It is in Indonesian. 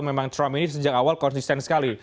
memang trump ini sejak awal konsisten sekali